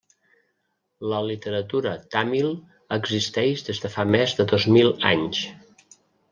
La literatura tàmil existeix des de fa més de dos mils anys.